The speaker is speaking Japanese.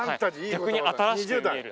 逆に新しく見える。